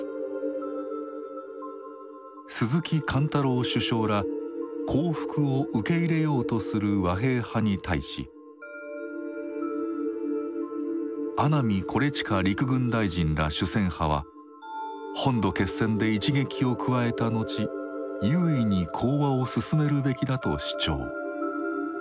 鈴木貫太郎首相ら降伏を受け入れようとする和平派に対し阿南惟幾陸軍大臣ら主戦派は本土決戦で一撃を加えた後優位に講和をすすめるべきだと主張。